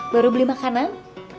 baru beli makanan